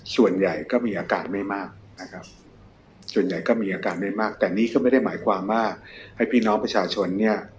ส่วนใหญ่ก็มีอากาศไม่มากแต่มันไม่หมายความว่าให้น้องประชาชน